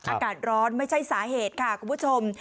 อากาศร้อนไม่ใช่สาเหตุค่ะคุณผู้ชม